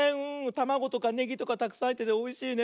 たまごとかネギとかたくさんはいってておいしいね。